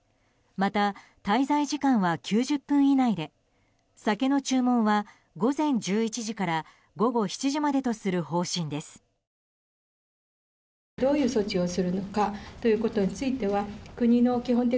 また、滞在時間は９０分以内で酒の注文は午前１１時から午後７時までとする方針です。